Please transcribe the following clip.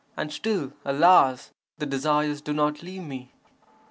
And still, alas! the desires do not leave me!